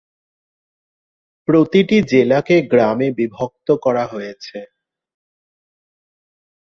প্রতিটি জেলাকে গ্রামে বিভক্ত করা হয়েছে।